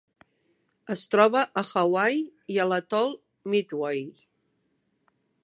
Es troba a Hawaii i a l'atol Midway.